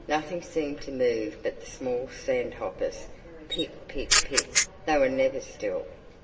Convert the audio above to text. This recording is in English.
Nothing seemed to move but the small sand hoppers. Pit pit pit! They were never still.